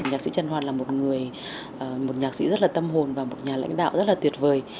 nhạc sĩ trần hoàn là một nhạc sĩ rất là tâm hồn và một nhà lãnh đạo rất là tuyệt vời